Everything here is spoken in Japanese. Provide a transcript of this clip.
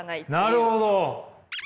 なるほど。